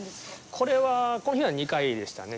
これはこの日は２回でしたね